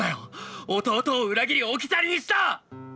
弟を裏切り置き去りにしたッ！